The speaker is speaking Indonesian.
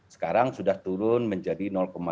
sekarang sudah turun menjadi tiga puluh sembilan